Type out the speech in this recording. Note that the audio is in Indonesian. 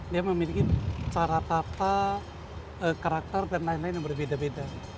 dia memiliki cara tata karakter dan lain lain yang berbeda beda